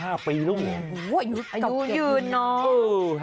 อายุยืนเนอะ